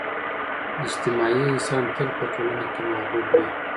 اجتماعي انسان تل په ټولنه کي محبوب وي.